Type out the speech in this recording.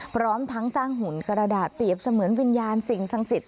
พร้อมทั้งสร้างหุ่นกระดาษเปรียบเสมือนวิญญาณสิ่งศักดิ์สิทธิ